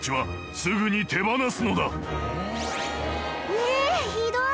えっひどい！